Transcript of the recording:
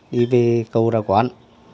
đi về cầu đào quán